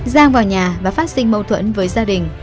giang vào nhà và phát sinh mâu thuẫn với gia đình